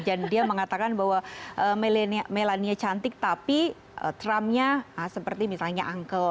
dan dia mengatakan bahwa melania cantik tapi trumpnya seperti misalnya uncle